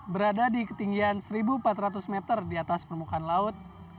berada di ketinggian satu empat ratus meter di atas permukaan laut